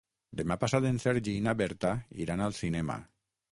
Demà passat en Sergi i na Berta iran al cinema.